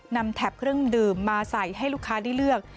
แถบเครื่องดื่มมาใส่ให้ลูกค้าได้เลือก